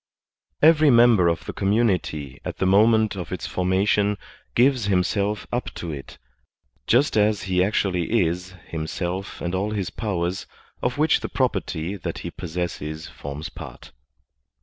Every member of the community at the moment of its formation gives himself up to it, just as he actually is, himself and all his powers, of which the property that he possesses forms part.